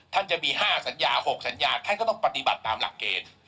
ถ้าจะมี๕สัญญา๖สัญญาต้องปฏิบัติตามหลักเกรณ์